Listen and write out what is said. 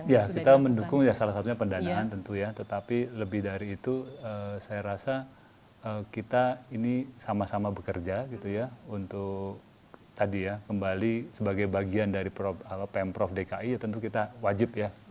ya kita mendukung ya salah satunya pendanaan tentu ya tetapi lebih dari itu saya rasa kita ini sama sama bekerja gitu ya untuk tadi ya kembali sebagai bagian dari pemprov dki ya tentu kita wajib ya